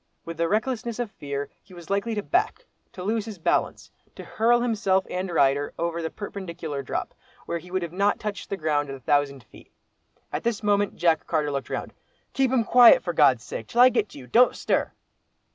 With the recklessness of fear, he was likely to back—to lose his balance—to hurl himself and rider over the perpendicular drop, where he would not have touched ground at a thousand feet. At this moment Jack Carter looked round. "Keep him quiet, for God's sake! till I get to you—don't stir!"